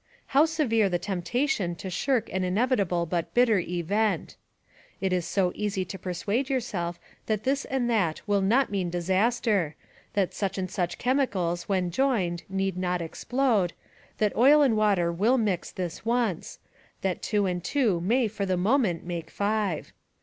How severe the temptation to shirk an inevitable but bitter event! It is so easy to persuade yourself that this and that will not mean disaster, that such and such chemicals when joined need not explode, that oil and water will mix this once, that two and two may for the moment make five